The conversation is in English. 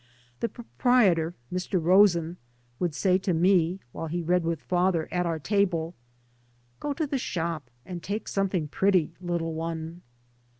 The proprietor, Mr. Rosen, would say to me, while he read with father at our table, " Go to the shop, and take something pretty, little one."